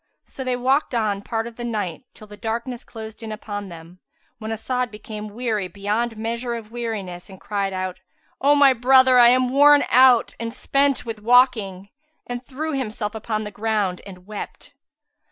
So they walked on part of the night, till the darkness closed in upon them, when As'ad became weary beyond measure of weariness and cried out, "O my brother, I am worn out and spent with walking," and threw himself upon the ground and wept.